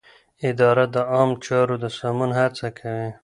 اداره د عامه چارو د سمون هڅه کوي.